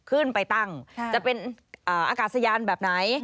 ขึ้นไปตั้งจะเป็นอากาศยานแบบไหน